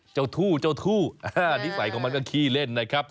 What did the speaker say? ทู่เจ้าทู่นิสัยของมันก็ขี้เล่นนะครับ